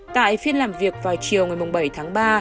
tại phiên làm việc vào chiều một mươi bảy tháng ba